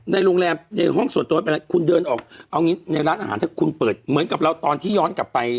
ในโรงแรมในห้องส่วนตัวไม่เป็นไรคุณเดินออกเอางี้ในร้านอาหารถ้าคุณเปิดเหมือนกับเราตอนที่ย้อนกลับไป